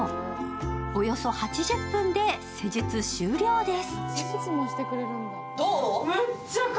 およそ８０分で施術終了です。